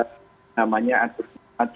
saya kira begitu ya dalam proses kiriman surprise